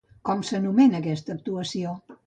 Com s'anomena aquesta actuació?